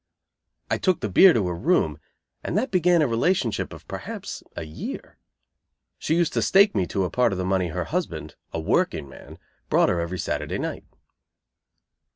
I took the beer to her room, and that began a relationship of perhaps a year. She used to stake me to a part of the money her husband, a workingman, brought her every Saturday night.